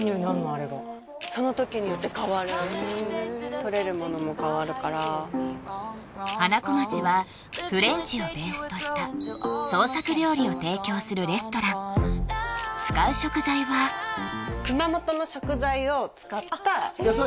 あれがその時によって変わるとれるものも変わるから花小町はフレンチをベースとした創作料理を提供するレストラン使う食材は熊本の食材を使った野菜？